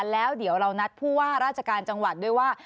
แล้วเดี๋ยวเรานัดผู้ว่าราชการจังหวัดด้วยว่า